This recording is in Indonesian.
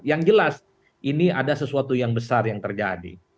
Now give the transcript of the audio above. yang jelas ini ada sesuatu yang besar yang terjadi